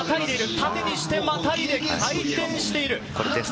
縦にしてまたいで回転している。